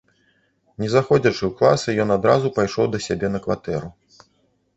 Не заходзячы ў класы, ён адразу пайшоў да сябе на кватэру.